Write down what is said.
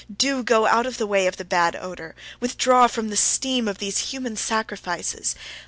Do go out of the way of the bad odour! Withdraw from the steam of these human sacrifices!